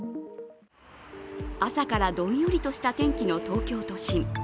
朝からどんよりとした天気の東京都心。